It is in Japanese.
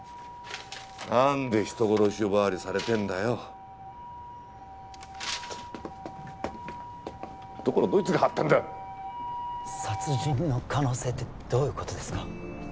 何で人殺し呼ばわりされてんだよ・どこのどいつが貼ったんだ殺人の可能性ってどういうことですか？